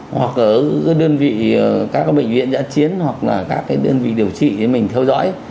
hoặc ở đơn vị các bệnh viện giã chiến hoặc là các cái đơn vị điều trị để mình theo dõi